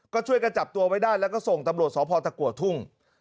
ก็ช่วยกันจับตัวไว้ได้แล้วก็ส่งตำรวจสพตะกัวทุ่ง